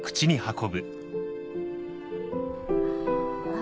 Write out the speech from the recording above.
あ。